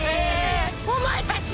お前たち！